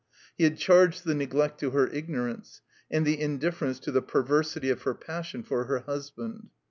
He had charged the neglect to her ignorance, and the indifference to the perversity of her passion for her husband.